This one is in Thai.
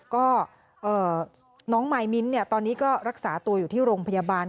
ก็น้องมายมิ้นตอนนี้ก็รักษาตัวอยู่ที่โรงพยาบาล